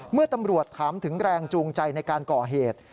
เมื่อตำรวจถามถึงแรงจูงใจในการก่อเหตุ